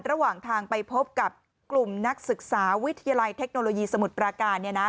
ระหว่างทางไปพบกับกลุ่มนักศึกษาวิทยาลัยเทคโนโลยีสมุทรปราการ